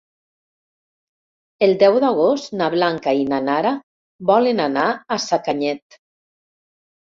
El deu d'agost na Blanca i na Nara volen anar a Sacanyet.